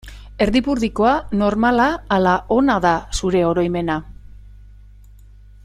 Erdipurdikoa, normala ala ona da zure oroimena?